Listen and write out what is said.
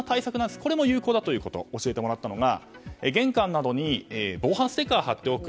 これも有効だと教えてもらったのが、玄関などに防犯ステッカーを張っておく。